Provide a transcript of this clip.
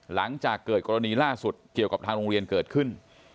หลังจากเกิดกรณีล่าสุดเกี่ยวกับทางโรงเรียนเกิดขึ้น